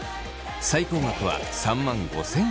最高額は３万５，０００円。